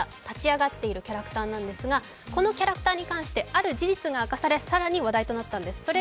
立ち上がっているキャラクターなんですが、このキャラクターに冠してある事実が明かされ、更に話題となったんです。